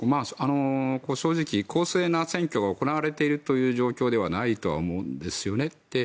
正直、公正な選挙が行われているという状況ではないと思うんですね。